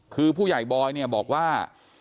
คือผู้ใหญ่บอยเนี่ยบอกว่า